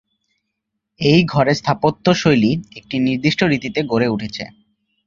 এর ঘরের স্থাপত্যশৈলী একটি নির্দিষ্ট রীতিতে গড়ে উঠেছে।